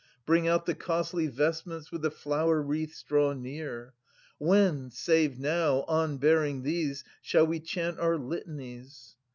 100 Bring out the costly vestments, with the flower wreaths draw near. When, save now, on bearing these, shall we chant our litanies